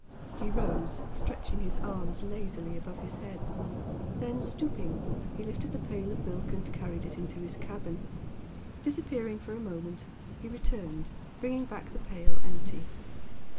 He rose, stretching his arms lazily above his head, then, stooping, he lifted the pail of milk and carried it into his cabin. Disappearing for a moment, he returned, bringing back the pail empty.